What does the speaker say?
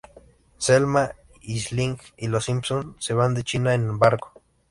Selma, Ling y los Simpson se van de China en barco.